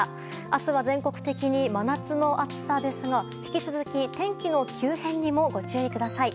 明日は、全国的に真夏の暑さですが引き続き、天気の急変にもご注意ください。